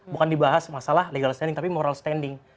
bukan dibahas masalah legal standing tapi moral standing